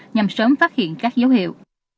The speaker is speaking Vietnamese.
nhằm sớm phát hiện các dấu hiệu